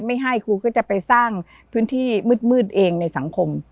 ไม่ให้ครูก็จะไปสร้างพื้นที่มืดเองในสังคม